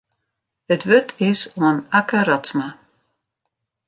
It wurd is oan Akke Radsma.